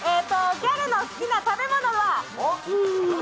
ギャルの好きな食べ物は？